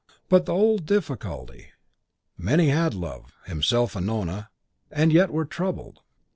But the old difficulty many had love; himself and Nona; and yet were troubled.